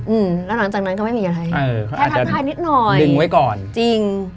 อืมแล้วหลังจากนั้นก็ไม่มีอะไรแค่ทักทายนิดหน่อยจริง